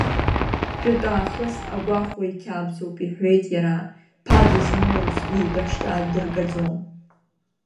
Жәытә аахыс агәахәуа иқьабзуп, — иҳәеит иара, ԥа дызмоуц еибашьра дыргаӡом.